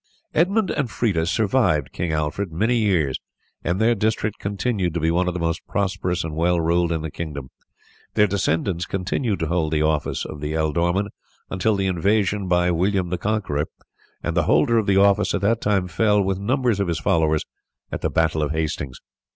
Edmund and Freda survived King Alfred many years, and their district continued to be one of the most prosperous and well ruled in the kingdom. Their descendants continued to hold the office of ealdorman until the invasion by William the Conqueror, and the holder of the office at that time fell, with numbers of his followers, at the battle of Hastings.